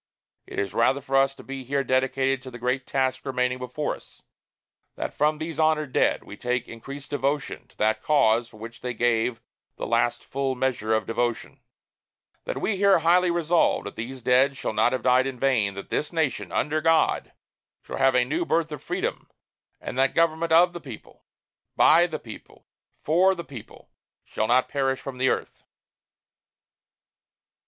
It is rather for us to be here dedicated to the great task remaining before us; that from these honored dead, we take increased devotion to that cause for which they gave the last full measure of devotion; that we here highly resolve that these dead shall not have died in vain, that this nation, under God, shall have a new birth of freedom, and that government of the people, by the people, for the people, shall not perish from the earth."